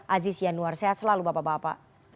aziz yanuar sehat selalu bapak bapak